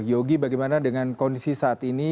yogi bagaimana dengan kondisi saat ini